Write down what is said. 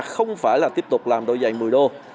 không phải là tiếp tục làm đôi giày một mươi đô